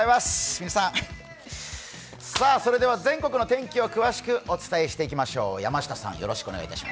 それでは全国の天気を詳しくお伝えしてまいりましょう。